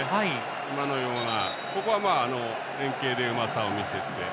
今のようなここは連係でうまさを見せて。